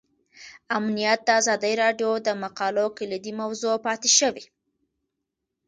امنیت د ازادي راډیو د مقالو کلیدي موضوع پاتې شوی.